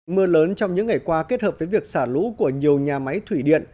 mưa lớn trong những ngày qua kết hợp với việc xả lũ của nhiều nhà máy thủy điện